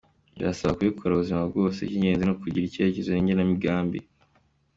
Birasaba kubikora ubuzima bwose, icy’ingenzi ni ukugira icyerekezo n’igenambigambi.